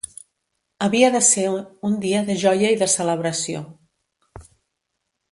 Havia de ser un dia de joia i de celebració.